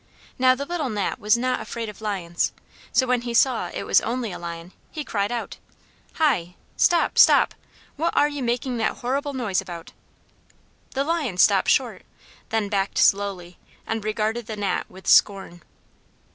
Now the little Gnat was not afraid of lions, so when he saw it was only a lion, he cried out "Hi, stop, stop! What are you making that horrible noise about?" The Lion stopped short, then backed slowly and regarded the Gnat with scorn.